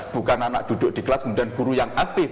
bukan anak duduk di kelas kemudian guru yang aktif